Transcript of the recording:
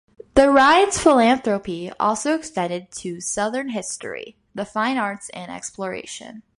The Ryans' philanthropy also extended to Southern history, the fine arts and exploration.